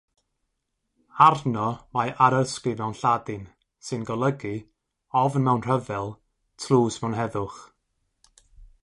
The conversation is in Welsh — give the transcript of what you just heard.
Arno mae arysgrif mewn Lladin: “, sy'n golygu “ofn mewn rhyfel, tlws mewn heddwch.